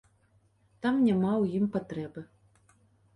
Там няма ў ім патрэбы.